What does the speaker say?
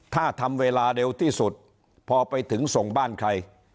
ถ้าทำเวลาเร็วที่สุดพอไปถึงส่งบ้านใคร